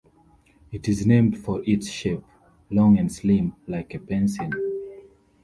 It is named for its shape: long and slim like a pencil.